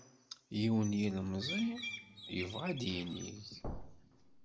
Yiwen n yilemẓi yebɣa ad yinig.